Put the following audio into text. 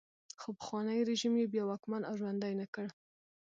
خو پخوانی رژیم یې بیا واکمن او ژوندی نه کړ.